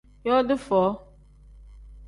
Yooti foo.